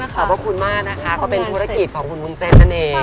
ขอบพระคุณมากนะคะก็เป็นธุรกิจของคุณวุ้นเส้นนั่นเอง